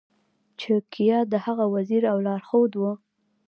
چാണکیا د هغه وزیر او لارښود و.